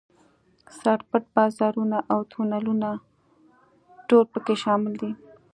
سر پټ بازارونه او تونلونه ټول په کې شامل دي.